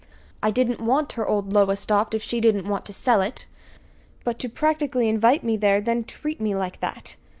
I didn't want her old Lowestoft if she didn't want to sell it! But to practically invite me there, and then treat me like that!"